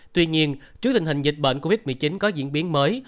tuy nhiên trước tình hình dịch bệnh covid một mươi chín có diễn biến mới